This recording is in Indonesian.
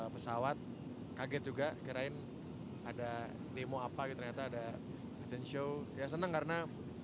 pesawat kaget juga kirain ada demo apa gitu ternyata ada agent show ya seneng karena